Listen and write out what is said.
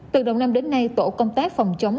từ đầu năm đến nay tổ công tác phòng chống